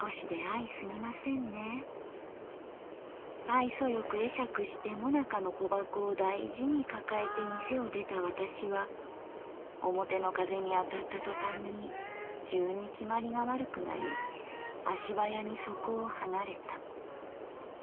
愛想よく会釈してもなかの小箱を大事に抱えて店を出た私は表の風に当たったトタンに急にきまりが悪くなり足早にそこを離れた。